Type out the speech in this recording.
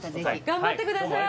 頑張ってください。